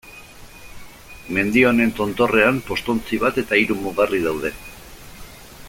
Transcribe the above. Mendi honen tontorrean, postontzi bat eta hiru mugarri daude.